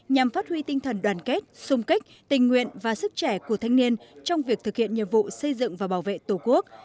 nhằm phát huy tinh thần đoàn kết xung kích tình nguyện và sức trẻ của thanh niên trong việc thực hiện nhiệm vụ xây dựng và bảo vệ tổ quốc